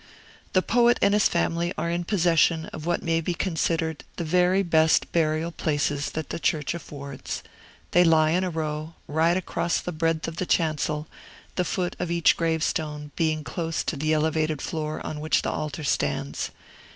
The poet and his family are in possession of what may be considered the very best burial places that the church affords. They lie in a row, right across the breadth of the chancel, the foot of each gravestone being close to the elevated floor on which the altar stands.